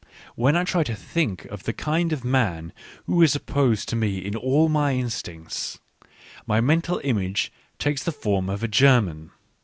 When I try to think of the kind of man who is opposed to me in all my instincts, my mental image takes the form of a German.